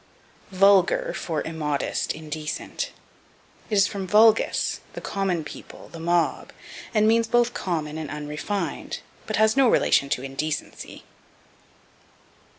Vulgar for Immodest, Indecent. It is from vulgus, the common people, the mob, and means both common and unrefined, but has no relation to indecency.